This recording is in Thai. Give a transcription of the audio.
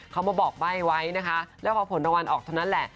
เขามาบอกใบ้ไว้นะคะแล้วพอผลรางวัลออกเท่านั้นแหละ